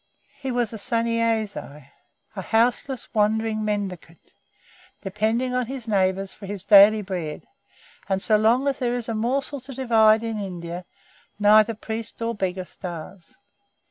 He was a Sunnyasi a houseless, wandering mendicant, depending on his neighbours for his daily bread; and so long as there is a morsel to divide in India, neither priest nor beggar starves.